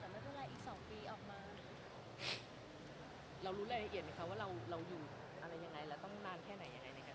เรารู้รายละเอียดไหมคะว่าเราอยู่อย่างไรแล้วต้องนานแค่ไหน